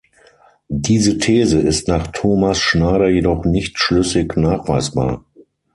Diese These ist nach Thomas Schneider jedoch „nicht schlüssig nachweisbar“.